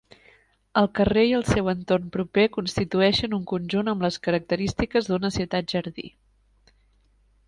El carrer i el seu entorn proper constitueixen un conjunt amb les característiques d'una ciutat-jardí.